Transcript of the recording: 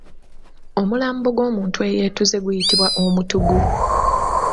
Omulambo gw’omuntu eyeetuze guyitibwa Omutuggu.